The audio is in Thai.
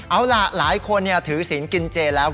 เอาล่ะหลายคนถือศีลกินเจแล้ว